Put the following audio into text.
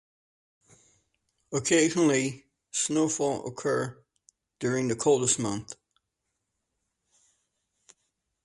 Occasionally, snowfall can occur during the coldest months.